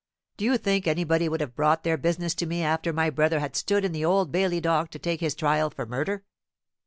Do you think anybody would have brought their business to me after my brother had stood in the Old Bailey dock to take his trial for murder?